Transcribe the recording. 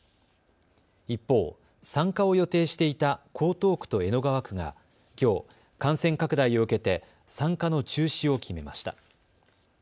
一方、参加を予定していた江東区と江戸川区がきょう、感染拡大を受けて参加の中止を決めました。